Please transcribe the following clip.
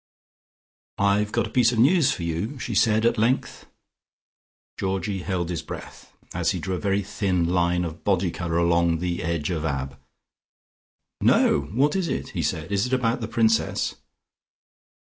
"I've got a piece of news for you," she said at length. Georgie held his breath, as he drew a very thin line of body colour along the edge of Ab. "No! What is it?" he said. "Is it about the Princess?"